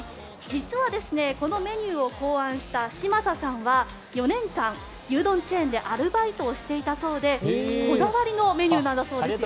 実はこのメニューを考案した嶋佐さんは４年間牛丼チェーン店でアルバイトをしていたそうでこだわりのメニューなんだそうです。